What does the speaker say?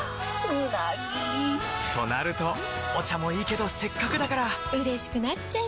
うなぎ！となるとお茶もいいけどせっかくだからうれしくなっちゃいますか！